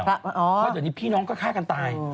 เพราะเดี๋ยวนี้พี่น้องก็ฆ่ากันตาย